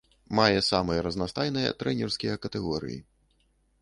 Мае самыя разнастайныя трэнерскія катэгорыі.